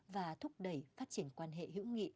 và thúc đẩy phát triển quan hệ hữu nghị